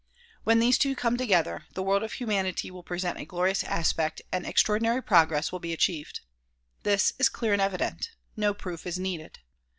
When these two come together, the world of humanity will present a glorious aspect and extraordinary progress will be achieved. This is clear and evident ; no proof is needed.